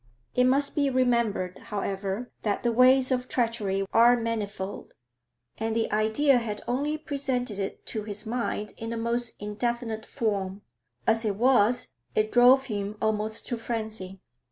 It must be remembered, however, that the ways of treachery are manifold, and the idea had only presented it to his mind in the most indefinite form. As it was, it drove him almost to frenzy.